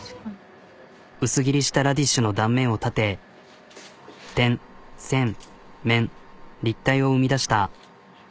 薄切りしたラディッシュの断面を立て点線面立体を生み出した。